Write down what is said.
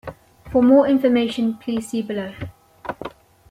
For more information, please see below.